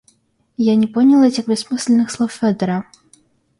Я не понял этих бессмысленных слов Федора?